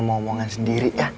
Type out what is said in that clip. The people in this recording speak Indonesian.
mau omongan sendiri ya